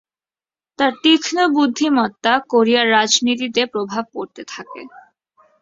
তার তীক্ষ্ণ বুদ্ধিমত্তা কোরিয়ার রাজনীতিতে প্রভাব পড়তে থাকে।